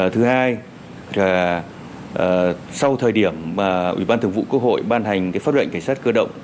thứ hai sau thời điểm ủy ban thường vụ quốc hội ban hành pháp lệnh cảnh sát cơ động